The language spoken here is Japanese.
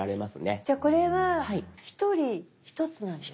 じゃあこれは１人１つなんですね。